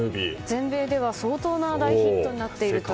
全米では相当な大ヒットになっているという。